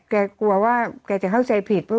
แกกลัวว่าแกจะเข้าใจผิด